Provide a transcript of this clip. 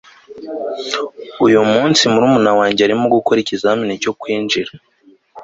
uyu munsi murumuna wanjye arimo gukora ikizamini cyo kwinjira